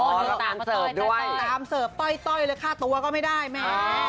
อ๋อแล้วตามเสิร์ฟด้วยตามเสิร์ฟต้อยเลยฆ่าตัวก็ไม่ได้แม่นะ